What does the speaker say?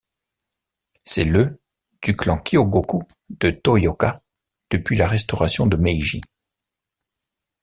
C'est le du clan Kyōgoku de Toyooka depuis la restauration de Meiji.